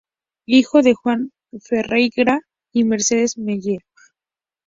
Hijo de Juan Ferreyra y Mercedes Mallea.